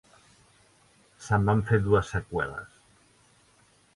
Se'n van fer dues seqüeles.